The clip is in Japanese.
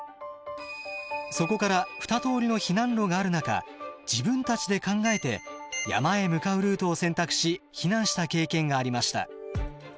そこから２通りの避難路がある中自分たちで考えて山へ向かうルートを選択し避難した経験がありました。